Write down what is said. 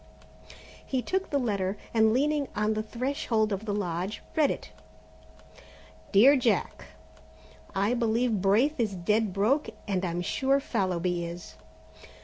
He took the letter, and leaning on the threshold of the lodge, read it: "Dear Jack, "I believe Braith is dead broke and I'm sure Fallowby is.